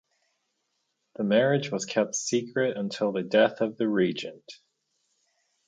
The marriage was kept secret until the death of the regent.